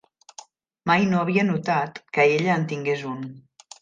Mai no havia notat que ella en tingués un.